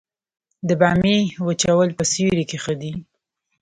د بامیې وچول په سیوري کې ښه دي؟